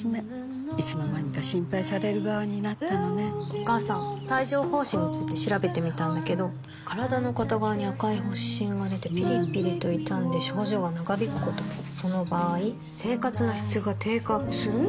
お母さん帯状疱疹について調べてみたんだけど身体の片側に赤い発疹がでてピリピリと痛んで症状が長引くこともその場合生活の質が低下する？